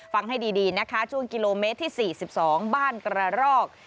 ฟังให้ดีนะคะช่วงกิโลเมตรที่๔๒บ้านกระรอก